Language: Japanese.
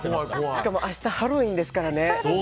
しかも明日ハロウィーンですからね。